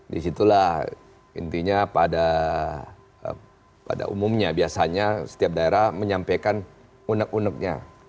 disitulah intinya pada umumnya biasanya setiap daerah menyampaikan unek uneknya